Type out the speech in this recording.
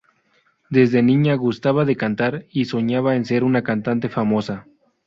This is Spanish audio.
Desde niña gustaba de cantar, y soñaba en ser una cantante famosa.